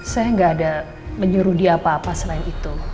saya nggak ada menyuruh dia apa apa selain itu